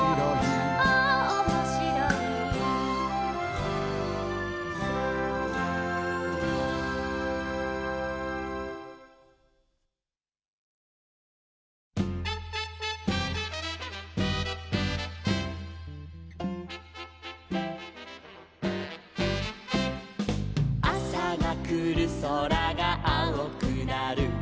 「ああおもしろい」「あさがくるそらがあおくなる」